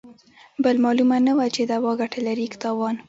بل مالومه نه وه چې دوا ګته لري که تاوان.